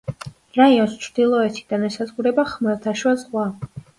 რაიონს ჩრდილოეთიდან ესაზღვრება ხმელთაშუა ზღვა.